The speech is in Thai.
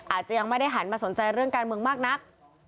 อาจจะยังไม่ได้หันมาสนใจเรื่องการเมืองมากนัก